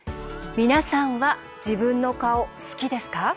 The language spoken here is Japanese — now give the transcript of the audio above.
皆さんは自分の顔、好きですか？